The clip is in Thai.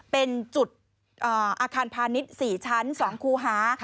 เป็นจุดอาคารพาณิชย์๔ชั้น๒คูหา